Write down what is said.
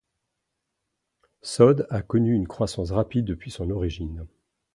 Sod a connu une croissance rapide depuis son origine.